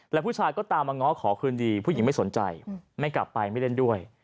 และผู้ชายก็ตามมาง้อขอคืนดีผู้หญิงไม่สนใจไม่กลับไปไม่เล่นด้วย